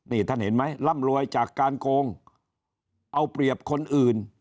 นี่ท่านเห็นไหมร่ำรวยจากการโกงเอาเปรียบคนอื่น